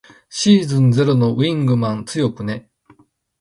シーズンゼロのウィングマン強くね。